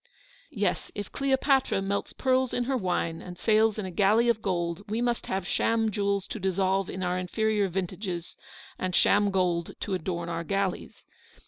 Yes, if Cleopatra melts pearls in her wine, and 42 ELEANOR'S VICTORY. sails in a galley of gold, we must have sham jewels to dissolve in our inferior vintages, and sham gold to adorn our galleys.